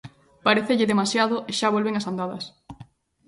Parécelle demasiado e xa volven ás andadas.